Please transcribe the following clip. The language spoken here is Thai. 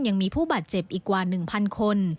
ยังมีผู้บาดเจ็บอีกกว่า๑๐๐คน